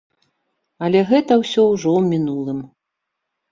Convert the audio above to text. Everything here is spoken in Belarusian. Але гэта ўсё ўжо ў мінулым.